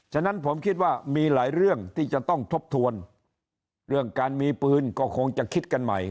ฉะนั้นผมคิดว่ามีหลายเรื่องที่จะต้องทบทวนเรื่องการมีปืนก็คงจะคิดกันใหม่